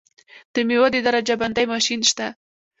د میوو د درجه بندۍ ماشین شته؟